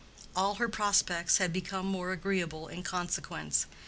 All her prospects had become more agreeable in consequence.